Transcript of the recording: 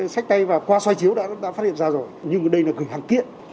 sách tay và qua xoay chiếu đã phát hiện ra rồi nhưng đây là gửi hàng kiện